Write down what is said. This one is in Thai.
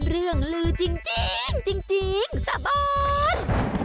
เรื่องลือจริงจริงสาบอน